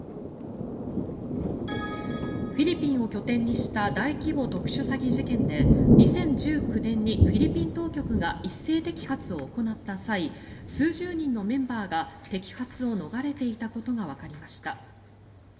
フィリピンを拠点にした大規模特殊詐欺事件で２０１９年にフィリピン当局が一斉摘発を行った際数十人のメンバーが摘発を逃れていたことがわかりました。